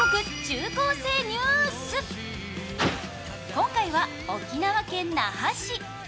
今回は沖縄県那覇市。